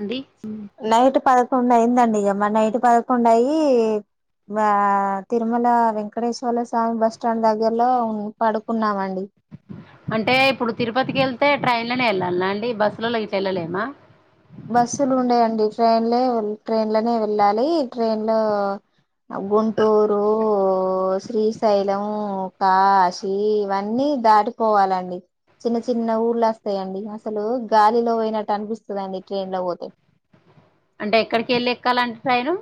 అండి నైట్ పదకొండు అయిందండికమా నైట్ పదకొండు అయిి ఆ తిరుమల వెంకటేశ్వర్ల స్వామి బస్ స్టాండ్ దగ్గరలో ఉ పడుకున్నామండి అంటే ఇప్పుడు తిరుపతికి వెళ్తే ట్రైన్ లోనే వెళ్ళాలినా అండి బస్సులో వెళ్ళలేమా బస్సులు ఉండయండి ట్రైన్లే ట్రైన్లనే వెళ్ళాలి ట్రైన్ లో గుంటూరు శ్రీశైలం కాశీ ఇవన్నీ దాటిపోవాలండి చిన్న చిన్న ఊర్లు వస్తాయండి అసలు గాలిలో పోయినట్టు అనిపిస్తుందిండి ట్రెన్ లో పోతే అంటే ఎక్కడికి వెళ్ళి ఎక్కాలంటే సైను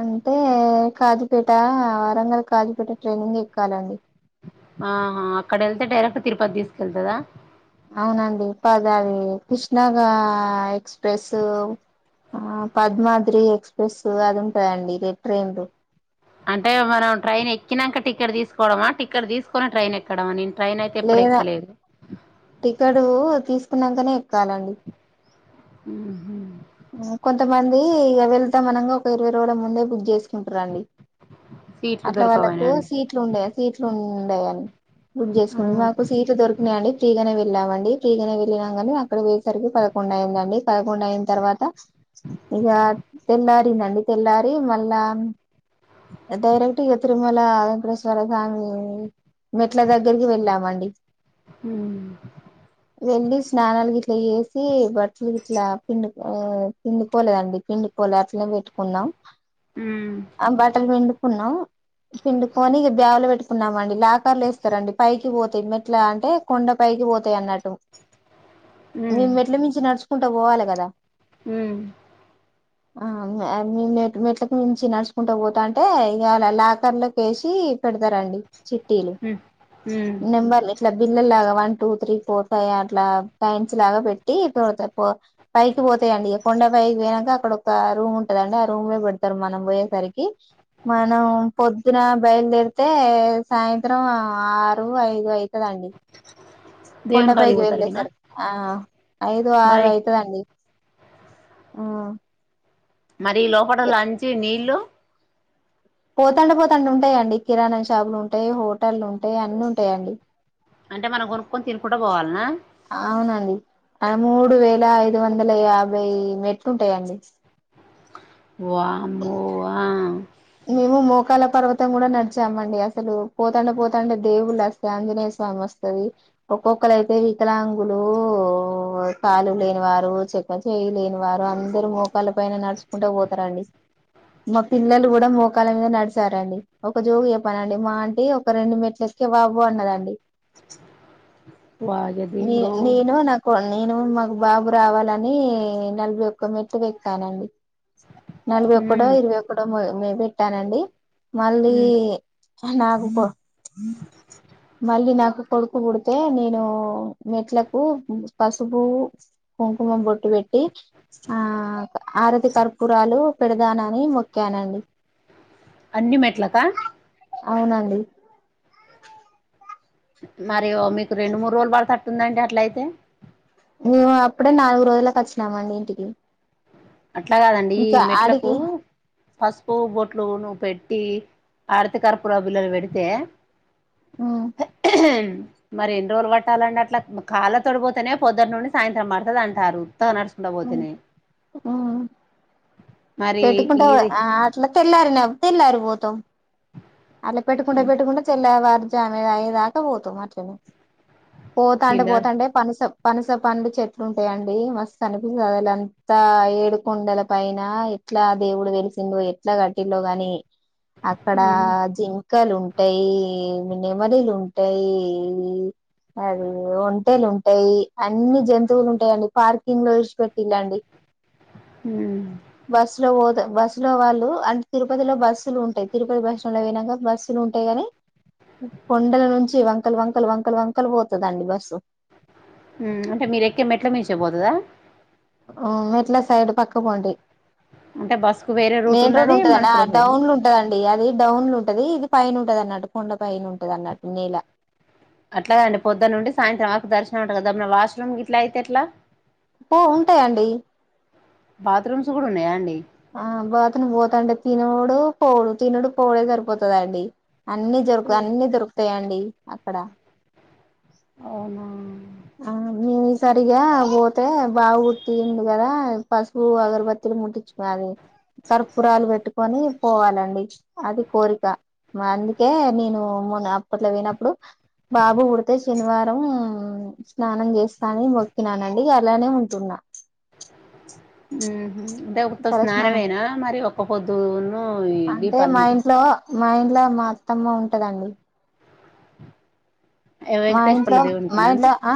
అంటే కాజపేట వరంగల్ కాజుపేట ట్రైనింగ్ ఎక్కాలండి ఆహా అక్కడ వెళ్తే డైరెక్ట్ తిరుపతి తీసుకెళ్తుదా అవునండి పదవి కృష్ణాగా ఎక్స్ప్రెస్ ఆ పద్మాద్రి ఎక్స్ప్రెస్ అది ఉంటాయంండిే ట్రైన్లు అంటే మనం ట్రైన్ ఎక్కినాక టికెట్ తీసుకోవడమా టిక్కెట్ తీసుకుొని ట్రైన్ ఎక్కడమా ట్రైన్ అయితే ఎప్పుడు లేదా ఎక్కలేదు టికెట్ తీసుకున్నాకనే ఎక్కాలండి ఉ కొంతమంది ఇక వెళ్తాంనగా ఒక ఇరవై రోజుల ముందే బుక్ చేసు తీంటారండి సీట్లు అట్లా దొరకవనా వాళ్ళకు అండి సీట్లు ఉండయా సీట్లు ఉండయాని గుడ్ ఆ, చేసుండి మాకు సీట్లు దొరికినాయియండి ఫ్రీగానే వెళ్ళామండి పీగనే వెళ్ళాం కాని అక్కడ వయేసరికి పదకొడు అయిందం పదకొండు అయిన తర్వాత ఇక తెల్లారిందండి తెల్లారి మళ్ళా డైరెక్ట్ మల్ అ్రేశ్వరా కాం మెట్ల దగ్గరికి వెళ్ళామండి హ్మ్మ్ వెళ్ళలి స్నానాల గ ఇట్లా చేసి బట్టలు గిట్ల పిండు ఆ పిండికోలేదండి పిండిపోలే అట్నే పెట్టుకున్నాం ఉమ్, ఆ బాట్టలు పిండుకున్నాం పిండుకని ఇక బ్యావలో పెట్టి పెట్టుకున్నామండి లాకార్లు వేస్తారంండి పైకి పోతాయి మెట్లా అంటే కొండ పైకి పోతాయి అన్నట్టు మేము ఎట్ల మించి నడుచుకుంటా పోవాలి కదా హ ఆ మెట్ మెట్లకి మించి నడుచుకుంటా పోతా అంటే ఇవాళ లాకర్ లోకి వేసి పెడతారండి చిట్టీలు ఉమ్. నెంబర్ ఇట్లా బిల్ల లాగా one two three four five అట్లా ప్యాంట్స్ లాగా పెట్టి పైకి పోతాయంండిక కొండ పైకి పోయినాక అక్కడ ఒక రూమ్ ఉంటదండి ఆ రూమ్ లో పెడతారు మనం పోయేసరికి మనం పొద్దున బయలుదేరితే సాయంత్రం ఆరు ఐదు అయితు కద అండి దేవుని కాడికి కొండపైైకి వెళ్ళే పోతారుకినా సారు ఆ ఐదు ఆరు మరి అయితుదండి ఆ మరి లోపట నీళ్లు లంచ్ పోతాండ పోతాంటే ఉంటాయిండి కిరాణా షాపులు ఉంటాయి హోటళ్ల్లు ఉంటాయి అన్నిీ ఉంటాయిడి అంటే మనం కొనుక్కకుొని తికుండా పోవాలినా అవునండి మూడు వేల ఐదు వందల యాభై మెట్లుంటాయంండి వామ్మో ఆ మేము మోకాల పర్వతం కూడా నడిచామండి అసలు పోతాండే పోతాండే దేవుళ్ళు వస్తాయి ఆంజనేయ స్వామి వస్తది ఒక్కొక్కరుయితే వికలాంగులు తలు లేనివారు చెక్క చె్య లేనివారు అందరుూ మోకాల పైన నడుచుకుంటూ పోతారండి అ మా పిల్లలు కూడా మోకాల మీద నడిచారండి ఒక జోగు చెయప్పనండి మా ఆంటంటి ఒక రెండు మెట్లుల అబో అన్నదండి వాయ న దేవుడో నేను నాకు నేను మాకు బాబు రావాలని నలభై ఒక్క మెట్లు ఎక్కానండి నలభైఒక్కటో ఉమ్ ఇరవైఒక్కటో మే పెట్టానండి మళ్ళీ ఉమ్ హానాగుబో మళ్ళీ నాకు కొడుకు బుడితే నేను మెట్లకు హ్మ్ పసుపు కుంకు మ్ బొట్టు పెట్టి ఆ ఆరతి కర్పూరాలు పెడదానని మొక్యానండి అన్నీ మెట్ల కా అవునండి మరి ఓ మీకు రెండు మూడు రోజులు పడతట్టుందండి అట్లయితే మేము అప్పుడే నాలుగు రోజులకి వచ్చినామండి ఇంటికి అట్ల కాదండి ఈ ఇంకా మెట్లకు ఆడికి పసుపు బొట్లు నువ్వు పెట్ ట్టి ఆరతి కర్పూర బిళ్ళలు బెడితే మ్మ్ [unintelligible] మరి ఎన్ని రోజులు పట్టాలండి అట్లా కాళ్ళ తోటిపోతనే పొద్దుటి నుండి సాయంత్రం పడతాది అంటారు ఉత్తగ నడుస్కుంట పోతెన పెట్టుకుంట ఇది ఆ అట్లా తెల్లారిన తెల్లారి పోతాం అట్లా పెట్టుకుంట పెట్టుకుంట తెల్ల వారుజామె అయ్యేదాకా పోతం అట్లనే పోతాంటే పిల్లర్ పోతాంటే పనిసం పనస పండు చెట్లు ఉంటాయండి మస్తనిపిస్తుంది అదిలంతా ఏడుకొండల పైన ఎట్లా దేవుడు వెలిసిండో ఎట్లా కట్టిల్లో గాని అక్కడ ఉమ్ క్కలు ఉంటయ్ నెమలిలు ఉంటయ్ అది ఒంటెలు ఉంటయ్ అన్ని జంతువులు ఉంటాయిండి పార్కింగ్ లో చసి పెట్ ఇలండి ఉమ్ బస్ లో బో బస్సులో వాళ్ళు అంటే తిరుపతిలో బస్సులు ఉంటాయి తిరుపతి బస్స్టాండ్‌లో పోయినాక బస్సులు ఉంటాయ్ కాని కొండల నుంచి వంకలు వంకలు వంకలు వంకలు పోతదండి బస్సు హ్మ్ అంటే మీరెక్కే మెట్ల మించే పోతదా ఓ మెట్ల సైడ్ పక్క పోండి అంటే బస్సుకు వేరే రూట్ మెయిన్ రోడ్ ఉన్నది ఉంటదన్న మనుషులకు వేరే డౌన్లు ఉంటదండి అది డౌన్లు ఉంట ది ఇది పైన ఉంటదన్నట్టు కొండ పైన ఉంటది అన్నట్టు నేల అట్లగాదండి పొద్దున్న నుండి సాయంత్రం ఆకు దర్శనం [unintelligible] వాష్రుూమ్ గిట్లా అయితే ఎట్లా పో ఉంటాయండి బాత్రూమ్స్ గూడా ఉన్నయా అండి ఆ బాత్రూమ్ పోతంటే తినుడు పోవుడు తినుడు పోవుడే సరిపోతాయండి అన్ని జరుకు అన్ని దొరుకుతాయండి అక్కడ అవ్నా హ్మ్ సరిగా బోతే బాగు గుర్తింది కదా పసుపు అగరబత్తీలు ముట్టించు కర్పూరాలు పెట్టుకొని పోవాలండి అది కోరిక కే నేను మొన్న హాస్పిటల్ కీ పొయినప్పుడు బాబు పడితే శనివారం స్నానం చేస్తానే మొక్కినానండి ఇగ అలానే ఉంటున్నా మ్మ్ దేఉత్త తలస్నానం స్నానమేనా మరి ఒక్క పొద్దును అంటే దీపాలు మా ముట్టి ఇంట్లో మా ఇంట్ల మా అత్తమ్మ ఉంటదండి ఏ మా వెంకటేశ్వర్ల ఇంట్లో మా దేవునికినా అండి ఇంట్లో ఆ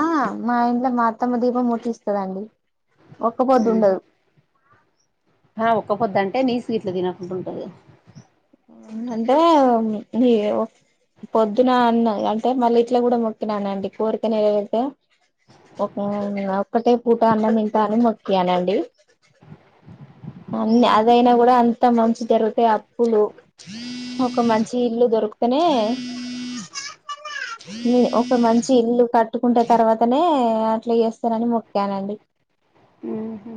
మా ఇంట్లో మా అత్తమ్మ దీపం ముట్టిస్తదండి ఒక్క పొద్దుండదు హా ఒక్కపోద్దంటే నీసీ గిట్లా తినకుండుంటది మ్ అంటే ఏవో పొద్దున అన్న అంటే మళ్ళీ ఇట్ల కూడా మొక్కినానండి కోరిక నెరవేరితే ఒకే ఒక్కటే పూట అన్నం తింటా అన మొక్కియా నండి హ్మ్ అదయినా కూడా అంత మంచి జరుగుతే అప్పులు ఒక మంచి ఇల్లు దొరుకుతనే మీ ఒక మంచి ఇల్లు కట్ కట్టుకుంటే తర్వాతనే అట్ల జేస్తనని మొక్కానండి మ్మ్ హా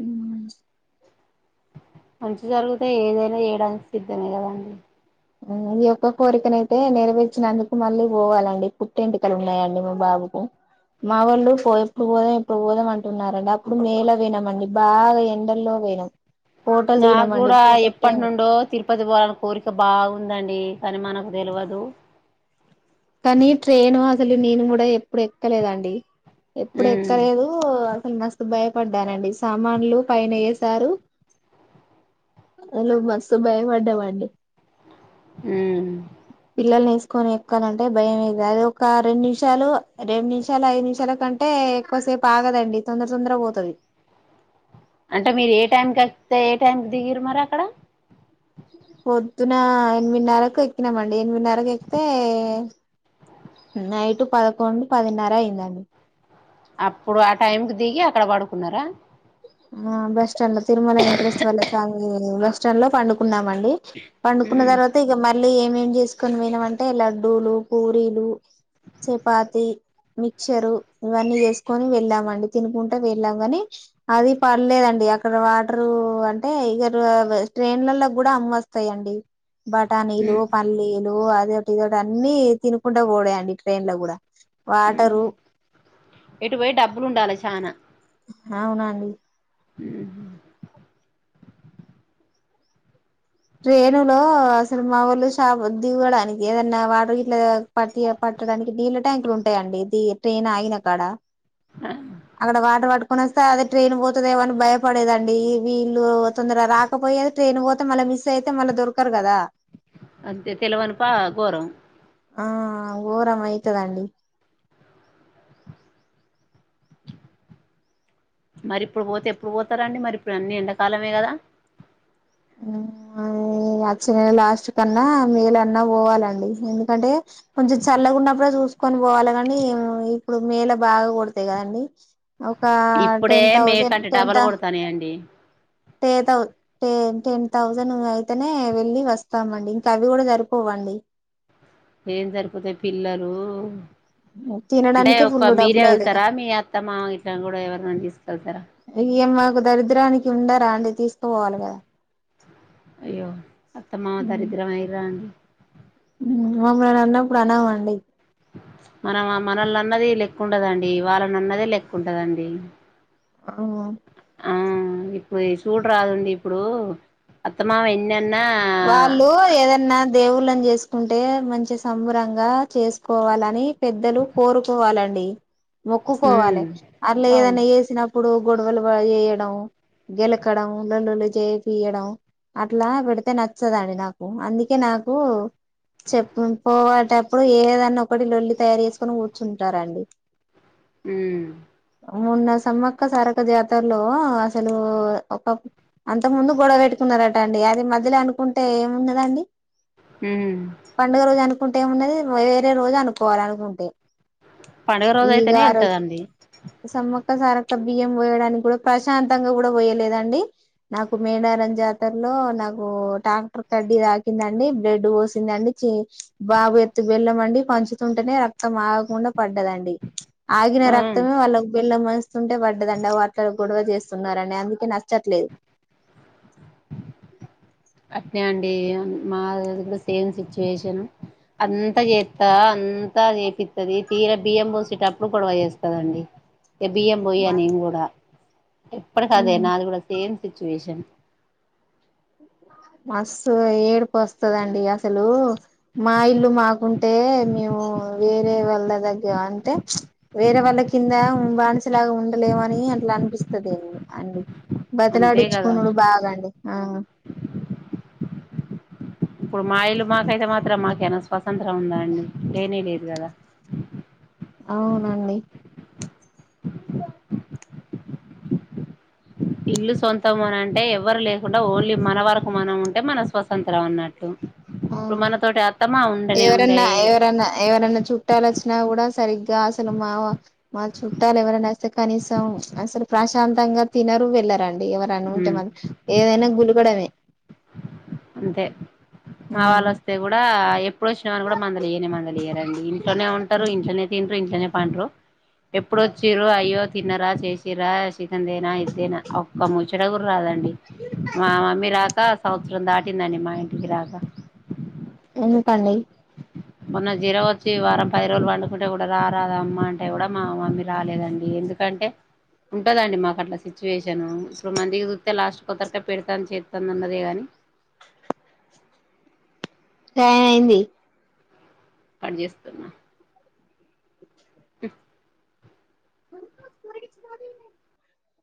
ఉన మంచి జరిగితే ఏదైనా చేయడానికి సిద్ధమే కదాండి ఈ ఒక్క కోరికనయితే నెరవేర్చినందుకు మళ్ళీ పోవాలండి పుట్టెంట్రుకలు ఉన్నాయండి మా బాబు పో మా వాళ్ళు పో ఎప్పుడు పోదాం ఇప్పుడు పోదాం అంటున్నారండి అప్పుడు మే లో పోయినామ్ అండి బాగా ఎండల్లో పోయినాం ఫోటోలు నాకు దిగినమండి కూడా ఫోటో ఎప్పటి ఫ్రేమ్ నుండో తిరుపతి పోవాలని కోరిక బాగుంది ఉందండి అది మనకు తెలవదు కానీ ట్రైన్ అసలు నేను కూడా ఎప్పుడు ఎక్కలేదండి ఎప్పుడు ఉమ్ ఎక్కలేదు మస్త్ భయపడ్డానండి సామాన్లు పైన ఏసారు నిను మస్తు భయపడ్డానండి ఉమ్ పిల్లలని ఏసుకొని అంటే భయం అది ఒక రెండు నిమిషాలే రెండు నిమిషాలు ఐదు నిమిషాల కంటే ఎక్కువసేపు ఆగదు ఉనాండీ తొందర తొందర గా పోతాది అంటే మీరు ఏ టైం ఎక్కితే ఏ టైం కి దిగిరు మరి అక్కడ పొద్దున ఎనిమిదిన్నరకు ఎక్కినామండి ఎనిమిదిన్నరకు ఎక్కితే నైట్ పదకొండు పదిన్నర అయిందండి అప్పుడు ఆ టైంకి దిగి అక్కడ పడుకున్నారా ఆ బస్ స్టాండ్ లో తిరుమల వేంకటేశ్వర స్వామి బస్ స్టాండ్ లో పండుకున్నాం అండి పండుకున్న ఉమ్ తర్వాత ఇక మళ్ళీ ఏమ్ ఏమ్ చేసుకొని పొయినాం అంటే లడ్ లడ్డులు పూరీలు చపాతి మిక్చరు ఇవన్నీ చేసుకని వెళ్ళామండి తినుకుంట వెళ్ళాం కాని అది పర్లేదండి అక్కడ వాటరు అంటే ఇగరు ట్రైన్లలో కూడా అమ్మ వస్తాయండి బఠానీలు ఉమ్ పల్లీలు అదే ఇదోటి అన్ని తినుకుంటా పోవుడే అండి ట్రైన్ లో కూడా మ్మ్ వాటరు ఇటుపొయి డబ్బులు ఉండాలే చానా అవునండి ఉహు ట్రేను లో అసలు మా ఊర్లో షా దువ్వడానికి ఏదన్నా వాటర్ గిట్ల పట్టి పట్ నీళ్ళ ట్యాంకులు ఉంటాయిడి ట్రైన్ అగినాక అడ అక్కడ వాటర్ పట్టు కొనస్తే అది ట్రైన్ పోతుదేమని భయపడేదండి వీళ్ళు తొందర రాకపోయిది ట్రైన్ పోతే మళ్ళీ మిస్ అయితే మళ్ళా దొరకారు కదా అంతే తెలవనిపా ఘోరం ఆ ఘోరం అయితాదండి మరి ఇప్పుడు పోతే ఎప్పుడు పోతారండి మరి ఇప్పుడు అన్ని ఎండాకాలమే కదా అ మార్చి నెల లాస్ట్ కన్నా మే లో అన్నా పోవాలండి ఎందుకంటే కొంచెం చల్లగ ఉన్నప్పుడే చూసుకొని పోవాలి కానీ ఇప్పుడు మే లో బాగా కొడతాయి కదండీ ఒక ఇప్పుడే టెన్ థౌసండ్ మేకంటే డబల్ టెన్త్ కొడతానయండి టె థౌ టెన్ థౌసండ్ అయితేనే వెళ్ళి వస్తామండి ఇంకా అవి కూడా సరిపోవ్వండి ఏం సరిపోతాయి పిల్లలు అంటే తినడానికే ఒక్క ఫుల్ మీరే డబ్బులు అయితగా వెళ్తారా మీ అత్తమ్మ ఇట్లా కూడా ఎవరినన్న తీసుకెళ్తారా ఇది మాకు దరిద్రానికి ఉండరా అండి తీసుకుపోవాలి కదా అయ్యో అత్తమామ దారిద్రం అయిండ్రా అండి ఆమె నన్ను అన్నప్పుడు అనమండి మనం మనల్ని అన్నది లెక్క ఉండదండి వాళ్ళని అన్నదే లెక్క ఉంటదండి అవున ఆ ఇప్పుడు సూడ రాదండి ఇప్పుడు అత్తమామ ఎన్ని వాళ్ళు ఏదన్నా దేవు లం చేసుకుంటే మంచి సంభ్రంగా చేసుకోవాలని పెద్దలు కోరుకోవాలండి ఉమ్ మొక్కుకోవాలి అట్లా అవును ఏదైన్నా వసినప్పుడు గొడవలు వయడం గెలకడం లల్లులు చేయి పయడం అట్లా పెడు అయితే నచ్చదండి నాకు అందుకే నాకు చెప్ప పోవటప్పుడు ఏదన్నా ఒకటి లొల్లి తయారు చేసుకొని కూర్చుంటారంండి అ మూన్న సమ్మక్క సారక జాతలో అసలు ఒక అంత ముందు గొడవ పెట్టుకున్నారట అండి అది మధ్య అనుకుంటే ఏముందిదాండి హ అనుకుంటే ఉన్నది వేరే రోజు అనుకోవాల అనుకుంటే పండుగ రోజు ఈగ అయితేనే ఆ రజు వెళ్తదండి సమ్మ క్కసారక్క బియ్యం పోయడానికి కూడా ప్రశాంతంగా కూడా పోయలేదండి నాకు మేడారం జాతరలో నాకు ఓ డాక్టర్ కడ్డి దాకిందండి బ్లెడ్ పోసిందండి బాబు ఎత్తు బెల్లంమండి పంచుతుంటేనే రక్తం ఆకుండా పడ్డదండి ఆగిన ఆ రక్తమే వాళ్ళ బిళ్ళ మంచుస్తుంటే పడ్డదండి ఆ వాట్ల గొడవ చేస్త స్తున్నని అందుకే నచ్చట్లేదు అట్ే అండి మా సేమ్ సిచ్యువేషన్ అంతా చేస్తా అంతా చేపిస్తది తీర బియ్యం పోసేటప్పుడు గొడవ చేస్తాదండి ఎ బిఏం పోయ్య న కూడా ఎప్పుడు కాదే మ్మ్ నా అది కూడా సే సిచుయషన్ మస్ ఏడిపు వస్తదండి అసలు మా ఇల్లు మాకుంటే మ వేరే వాళ్ళ దగ్గ అంటే వేరే వాళ్ళ కింద బానిసలాగా ఉండలేమని అట్లా అనిపిస్తుంది అం అంతే కదా బతిలాడిచ్చుకున్నాడు బాగాండి ఆ ఇప్పుడు మా ఇల్లు మాకైతే మాత్రం మాకే స్వతంత్రం ఉందా అండి లేనే లేదు కదా అవునండి ఇల్లు సొంతం అని అంటే ఎవరు లేకుండా ఓన్లీ మన వరకు మనం ఉంటే మన స్వతంత్రం అన్నట్టు ఆ ఇప్పుడు మనతోటి అత్తమ్మ ఉండనే ఉండే ఎవరన్నా ఎవరన్నా ఎవరన్నా చుట్టాల కూడా సరిగగా అసలు మా మా చుట్టాలు ఎవరైనా వస్తే కనీసం అసలు ప్రశాంత ంగా తినరు వెళ్ళారంండి ఎవరు అని ఉంటే ఉమ్ మన ఏదైనా గులుకడమే అంతే మా వాళ్ళ వస్తే కూడా ఇప్పుడు వచ్చిన వాని కూడా మందలు ఇయనే మందలు ఇయ్యారంండి ఇంట్లోనే ఉంటారు ఇంట్లోనే తింటరు ఇంట్నే పంటరు ఎప్పుడుొచ్చిరు అయ్యో తిన్నరా చేసిరా సిికందేనా ఇద్దేనా ఒక్క ముచ్చడగురు రాద ం మా మమ్మీ రాక సంవత్సరం దాటిందండి మా ఇంటికి రాక కండడి మొన్న జీర వచ్చి వారం పది రోజులు వండుకుంటే కూడా రారదామ్మ అంటే కూడా మా మమ్మీ రాలేదండి ఎందుకంటే ఉంటదండి మాకు అట్లా సిచ్యువేషన్ ఇడు మందికి అ లాస్ట్ కొతరగా పెడతాను చేస్తుంది ఉన్నదే గాని ట అయింది పడి చేేస్తున్నా ఆ